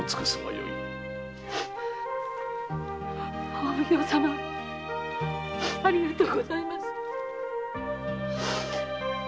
お奉行様ありがとうごさいます。